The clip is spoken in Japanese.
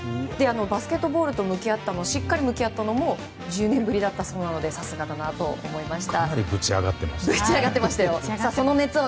バスケットボールとしっかり向き合ったのも１０年ぶりだったそうなのでさすがだなと思いました。